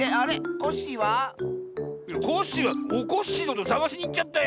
コッシーはおこっしぃのことさがしにいっちゃったよ。